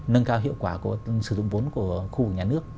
nâng cao hiệu quả của sử dụng vốn của khu nhà nước